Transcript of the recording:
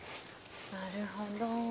なるほど。